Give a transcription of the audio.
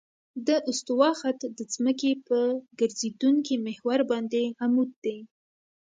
د استوا خط د ځمکې په ګرځېدونکي محور باندې عمود دی